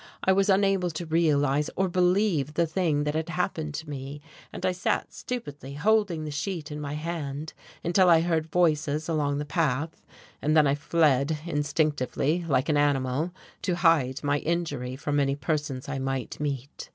I was unable to realize or believe the thing that had happened to me, and I sat stupidly holding the sheet in my hand until I heard voices along the path, and then I fled instinctively, like an animal, to hide my injury from any persons I might meet.